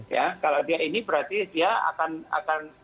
ya kalau dia ini berarti dia akan